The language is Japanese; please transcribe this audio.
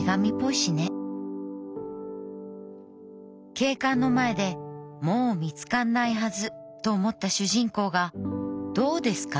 警官の前でもう見つかんないはずと思った主人公がどうですか